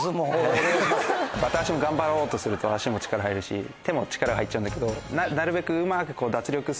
バタ足も頑張ろうとすると足も力入るし手も力が入っちゃうんだけどなるべく。